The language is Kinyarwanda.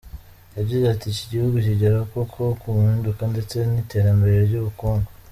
Yagize ati : "Iki gihugu kigera koko mu mpinduka ndetse n’iterambere ry’ubukungu.